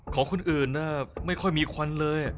ของคนอื่นไม่ค่อยมีควันเลย